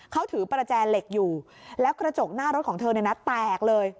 เขาถือประแจเหล็กอยู่แล้วกระจกหน้ารถของเธอเนี่ยนะแตกเลย